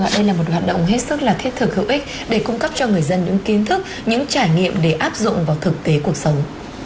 đây là một hoạt động hết sức là thiết thực hữu ích để cung cấp cho người dân những kiến thức những trải nghiệm để áp dụng vào thực tế cuộc sống